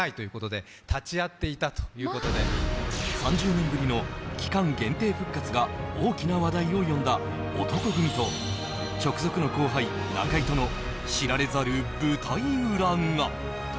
３０年ぶりの期間限定復活が大きな話題を呼んだ男闘呼組と直属の後輩・中居との知られざる舞台裏が。